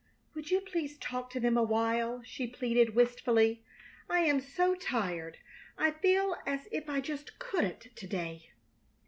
"Would you please talk to them a little while?" she pleaded, wistfully. "I am so tired I feel as if I just couldn't, to day."